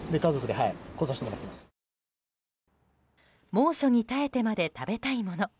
猛暑に耐えてまで食べたいもの。